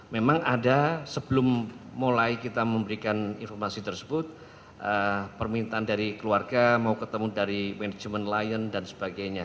memang ada sebelum mulai kita memberikan informasi tersebut permintaan dari keluarga mau ketemu dari manajemen lion dan sebagainya